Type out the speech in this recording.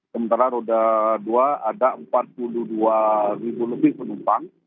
sementara roda dua ada empat puluh dua ribu lebih penumpang